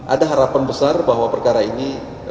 ada harapan besar bahwa perkara ini